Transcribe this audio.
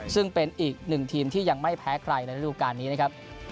ซึ่งเป็นอีกหนึ่งทีมที่ยังไม่แพ้ใครในระดูการนี้นะครับ